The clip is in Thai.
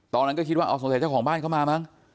ตอนนั้นก็คิดว่าเอาสงสัยเจ้าของบ้านเข้ามามั้ง